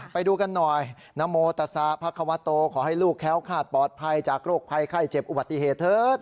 ไปดูกันหน่อยนโมตซาพระควโตขอให้ลูกแค้วคาดปลอดภัยจากโรคภัยไข้เจ็บอุบัติเหตุเถิด